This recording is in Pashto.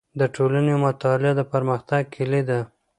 د ټولنې مطالعه د پرمختګ کیلي ده.